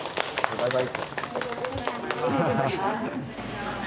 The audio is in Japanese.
バイバイ！